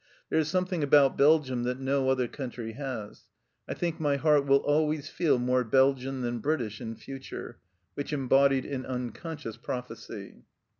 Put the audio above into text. There is something about Belgium that no other country has. I think my heart will always feel more Belgian than British in future " which embodied an unconscious prophecy.